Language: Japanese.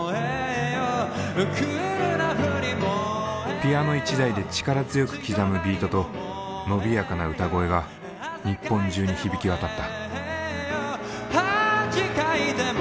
ピアノ１台で力強く刻むビートとのびやかな歌声が日本中に響き渡った。